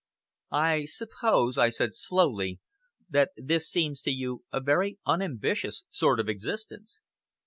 '" "I suppose," I said slowly, "that this seems to you a very unambitious sort of existence!"